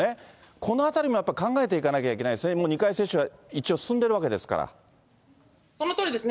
このあたりもやっぱり考えていかなきゃいけないですね、２回接種がもう一応、進んでいるわけですそのとおりですね。